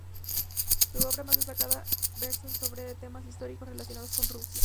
Sus obras más destacadas versan sobre temas históricos relacionados con Rusia.